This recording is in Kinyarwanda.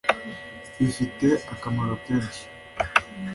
bibafitiye akamaro kenshi